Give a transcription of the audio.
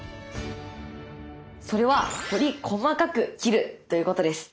それはより細かく切るということです。